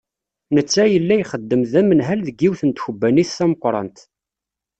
Netta, yalla ixeddem d anemhal deg yiwet n tkebbanit tameqqrant.